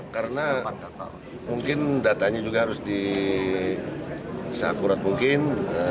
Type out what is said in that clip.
karena mungkin datanya juga harus di seakurat mungkin